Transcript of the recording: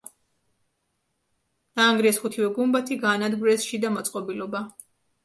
დაანგრიეს ხუთივე გუმბათი, გაანადგურეს შიდა მოწყობილობა.